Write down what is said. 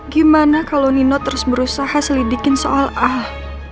gimana kalau nino terus berusaha selidikin soal ah